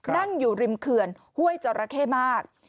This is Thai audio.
นั่งอยู่ริมเขื่อนห้วยจราเข้มาก